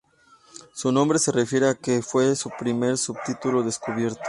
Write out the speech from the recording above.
Su nombre se refiere a que fue el primer subtipo descubierto.